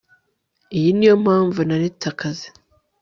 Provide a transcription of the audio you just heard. iyi niyo mpamvu naretse akazi